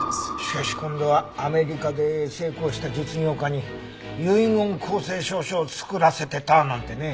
しかし今度はアメリカで成功した実業家に遺言公正証書を作らせてたなんてね。